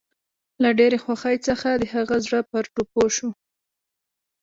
له ډېرې خوښۍ څخه د هغه زړه پر ټوپو شو